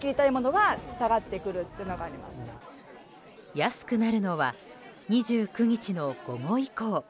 安くなるのは２９日の午後以降。